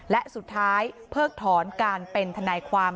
และสุดท้ายเพิกถอนการเป็นทนายความ